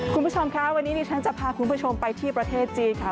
คุณผู้ชมค่ะวันนี้ดิฉันจะพาคุณผู้ชมไปที่ประเทศจีนค่ะ